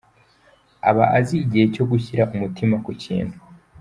Aba azi igihe cyo gushyira umutima ku kintu.